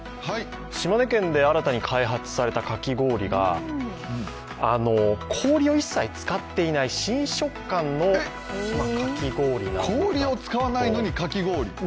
島根県で新たに開発されたかき氷が氷を一切使っていない新食感のかき氷なんだそうです。